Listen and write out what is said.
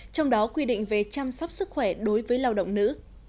trong đó quy định về chăm sóc sức khỏe đối với lao động nữ